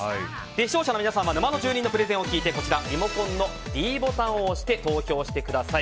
視聴者の皆様は沼の住人のプレゼンを聞いてリモコンのｄボタンを押して投票してください。